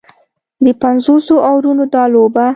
د پنځوسو اورونو دا لوبه